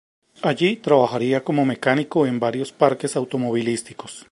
Allí trabajaría como mecánico en varios parques automovilísticos.